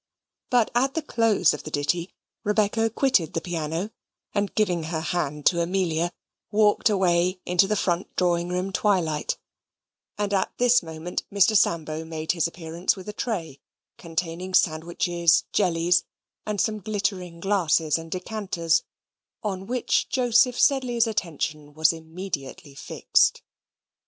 But at the close of the ditty, Rebecca quitted the piano, and giving her hand to Amelia, walked away into the front drawing room twilight; and, at this moment, Mr. Sambo made his appearance with a tray, containing sandwiches, jellies, and some glittering glasses and decanters, on which Joseph Sedley's attention was immediately fixed.